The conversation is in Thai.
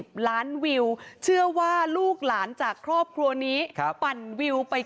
ใช่จริงมาดูหัวหน้าเขา